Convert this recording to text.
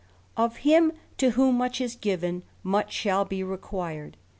Of him, to whom muck is given, much shall hi required.